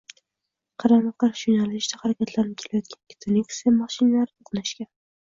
Qarama-qarshi yo‘nalishda harakatlanib kelayotgan ikkita Nexia mashinalari to‘qnashgan